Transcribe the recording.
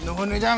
nuhun nih jang